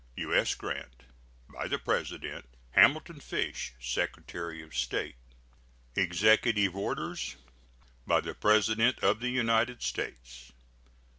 [SEAL.] U.S. GRANT. By the President: HAMILTON FISH, Secretary of State. EXECUTIVE ORDERS. BY THE PRESIDENT OF THE UNITED STATES.